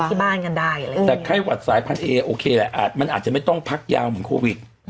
ในบ้านกันได้แต่ไข้หวัดสายพันเออเคน่ะมันอาจจะไม่ต้องพักยาวเหมือนโควิด